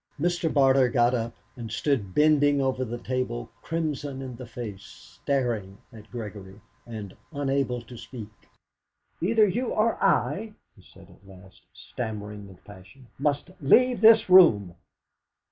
Mr. Barter got up, and stood bending over the table, crimson in the face, staring at Gregory, and unable to speak. "Either you or I," he said at last, stammering with passion, "must leave this room!"